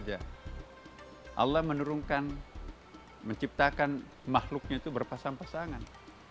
allah menurunkan menciptakan makhluknya itu berpasang pasangan